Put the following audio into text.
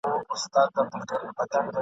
چي پراته دي دا ستا تروم په موږ وژلي ..